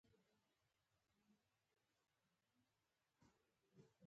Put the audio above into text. هر بالر ته محدود اوورونه ورکول کیږي.